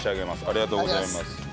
ありがとうございます。